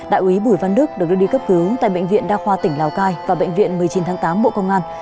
đại úy bùi văn đức được đưa đi cấp cứu tại bệnh viện đa khoa tỉnh lào cai và bệnh viện một mươi chín tháng tám bộ công an